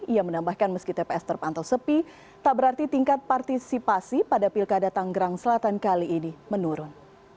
ia menambahkan meski tps terpantau sepi tak berarti tingkat partisipasi pada pilkada tanggerang selatan kali ini menurun